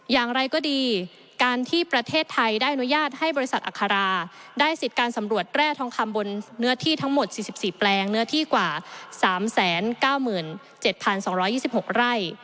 อย่างไรก็ดีการที่ประเทศไทยได้อนุญาตให้บริษัทอัคราได้สิทธิ์การสำรวจแร่ทองคำบนเนื้อที่ทั้งหมด๔๔แปลงเนื้อที่กว่า๓๙๗๒๒๖ไร่